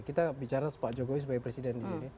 kita bicara pak jokowi sebagai presiden